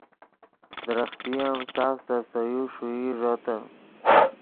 درختے ام ساف سے سے یو ݰوئی ݱوتے